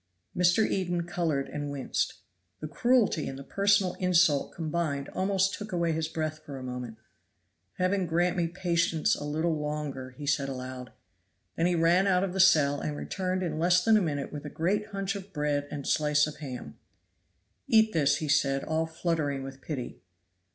Mr. Eden colored and winced. The cruelty and the personal insult combined almost took away his breath for a moment. "Heaven grant me patience a little longer," said he aloud. Then he ran out of the cell, and returned in less than a minute with a great hunch of bread and a slice of ham. "Eat this," said he, all fluttering with pity.